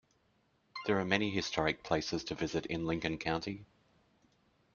There are many historic places to visit in Lincoln County.